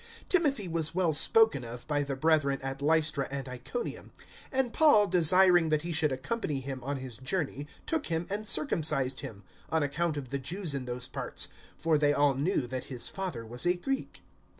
016:002 Timothy was well spoken of by the brethren at Lystra and Iconium, 016:003 and Paul desiring that he should accompany him on his journey, took him and circumcised him on account of the Jews in those parts, for they all knew that his father was a Greek.